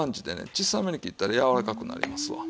小さめに切ったらやわらかくなりますわ。